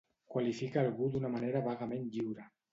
Qualifica algú d'una manera vagament lliure.